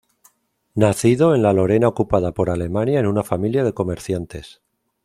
Nacido en la Lorena ocupada por Alemania en una familia de comerciantes.